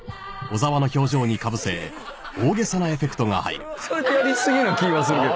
いやそれはそれでやり過ぎな気はするけど。